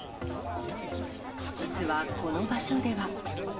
実はこの場所では。